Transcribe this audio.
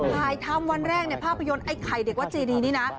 ถ่ายทำวันแรกในภาพยนตร์ไอ้ไข่เด็กวัดเจดีนี่นะ